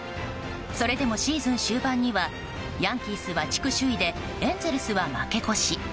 それでもシーズン終盤にはヤンキースは地区首位でエンゼルスは負け越し。